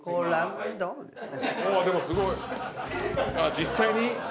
実際に。